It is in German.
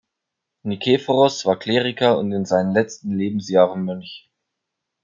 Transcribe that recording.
Nikephoros war Kleriker und in seinen letzten Lebensjahren Mönch.